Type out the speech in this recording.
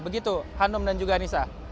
begitu hanom dan juga nisa